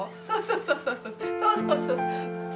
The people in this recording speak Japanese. そうそうそうそう。